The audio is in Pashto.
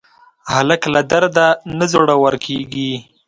هلک له درده نه زړور کېږي.